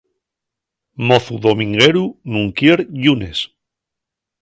Mozu domingueru nun quier llunes.